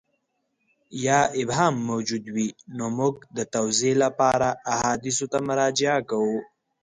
یا ابهام موجود وي نو موږ د توضیح لپاره احادیثو ته مراجعه کوو.